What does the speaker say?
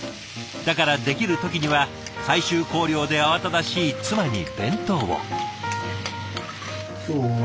だからできる時には最終校了で慌ただしい妻に弁当を。